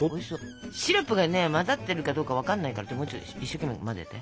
シロップがね混ざってるかどうか分かんないからもうちょっと一生懸命混ぜて。